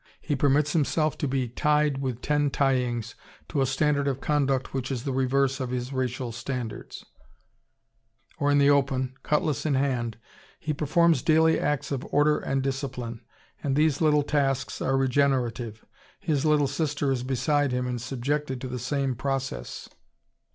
He permits himself to be "tied" with "ten tyings" to a standard of conduct which is the reverse of his racial standards. In the rude school house, with his alphabet before him, or in the open, cutlass in hand, he performs daily acts of order and discipline, and these little tasks are regenerative. His little sister is beside him and subjected to the same process.